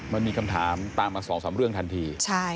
มันมีคำถามตามมา๒๓เรื่องทันที